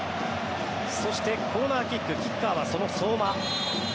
そしてコーナーキックキッカーは相馬。